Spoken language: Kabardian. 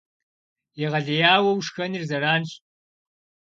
Егъэлеяуэ ушхэныр зэранщ.